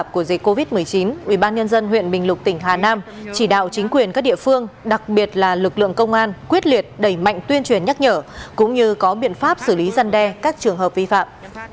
chỉ đạo chính quyền các địa phương đặc biệt là lực lượng công an quyết liệt đẩy mạnh tuyên truyền nhắc nhở cũng như có biện pháp xử lý dân đe các trường hợp vi phạm